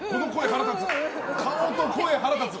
顔と声、腹立つ。